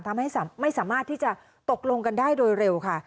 ทำให้ไม่สามารถที่จะตกลงกันได้โดยเร็วค่ะ